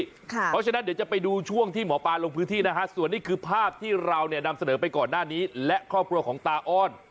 เพราะฉะนั้นเดี๋ยวจะไปดูช่วงที่หมอปลาลงพื้นที่นะฮะส่วนนี้คือภาพที่เราเนี่ยนำเสนอไปก่อนหน้านี้และครอบครัวของตาอ้อน